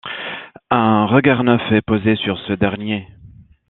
Un regard neuf est posé sur ce dernier.